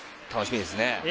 楽しみですね。